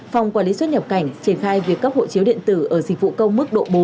phòng quản lý xuất nhập cảnh triển khai việc cấp hộ chiếu điện tử ở dịch vụ công mức độ bốn